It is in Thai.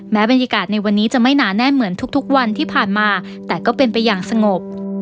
บรรยากาศในวันนี้จะไม่หนาแน่นเหมือนทุกวันที่ผ่านมาแต่ก็เป็นไปอย่างสงบ